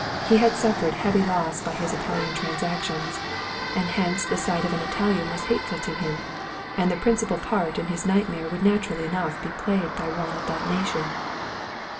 He had suffered heavy loss by his Italian transactions; and hence the sight of an Italian was hateful to him, and the principal part in his night mare would naturally enough be played by one of that nation.